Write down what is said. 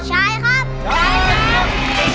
ใช้ครับ